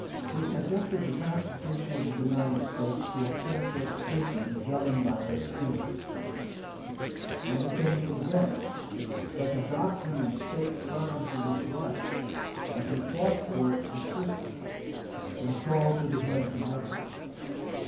He subjected the constitution of the United States to a careful scrutiny governed by this theory, and became convinced that the doctrine of State sovereignty was right and he fought for it persistently when called to the head of the government.